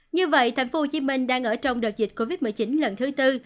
như vậy thành phố hồ chí minh đang ở trong đợt dịch covid một mươi chín lần thứ tư